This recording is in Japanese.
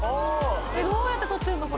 どうやって撮ってんの？